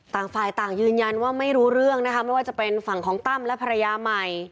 ต่างฝ่ายต่างยืนยันว่าไม่รู้เรื่องนะคะไม่ว่าจะเป็นฝั่งของตั้มและภรรยาใหม่